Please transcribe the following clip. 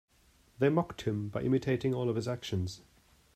They mocked him by imitating all of his actions.